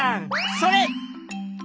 それ！